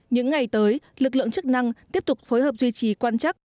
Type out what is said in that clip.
những ngày tới lực lượng chức năng tiếp tục phối hợp duy trì quan chắc